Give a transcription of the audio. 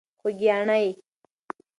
خوږیاڼۍ.